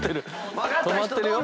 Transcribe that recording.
止まってるよ。